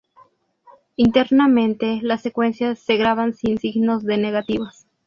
Internamente, las secuencias se graban sin signos de negativos.